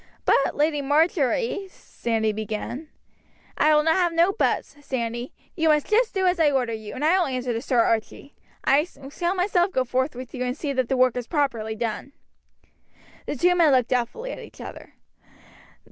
"But, Lady Marjory " Sandy began. "I will have no buts, Sandy; you must just do as I order you, and I will answer to Sir Archie. I shall myself go forth with you and see that the work is properly done." The two men looked doubtfully at each other.